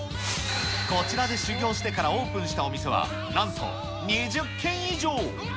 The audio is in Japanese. こちらで修業してからオープンしたお店は、なんと２０軒以上。